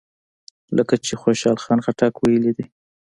لکه چې خوشحال خټک ویلي دي.